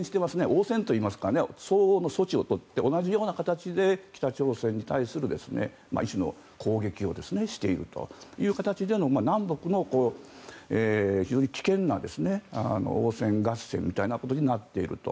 応戦といいますか相応の措置を取って同じような形で北朝鮮に対する一種の攻撃をしているという形での南北の非常に危険な応戦合戦みたいなことになっていると。